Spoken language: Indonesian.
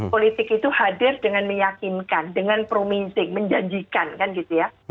politik itu hadir dengan meyakinkan dengan promising menjanjikan kan gitu ya